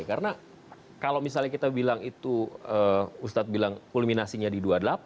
karena kalau misalnya kita bilang itu ustad bilang kulminasinya di dua puluh delapan